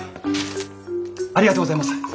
ありがとうございます。